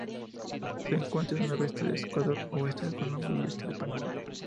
Se encuentra en el noroeste de Ecuador, oeste de Colombia y este de Panamá.